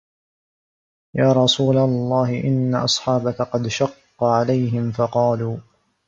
يَا رَسُولَ اللَّهِ إنَّ أَصْحَابَك قَدْ شَقَّ عَلَيْهِمْ فَقَالُوا